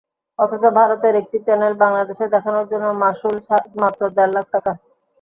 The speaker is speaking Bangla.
অথচ ভারতের একটি চ্যানেল বাংলাদেশে দেখানোর জন্য মাশুল মাত্র দেড় লাখ টাকা।